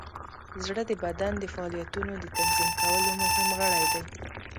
زړه د بدن د فعالیتونو د تنظیم کولو مهم غړی دی.